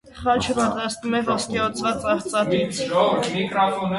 Խաչը պատրաստվում է ոսկեզօծված արծաթից։